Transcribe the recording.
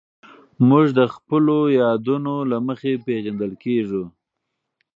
موږ د خپلو یادونو له مخې پېژندل کېږو.